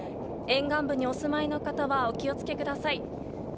沿岸部にお住まいの方はお気を付けください。